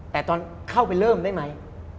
แต่ตอนเข้าไปเริ่มได้ไหม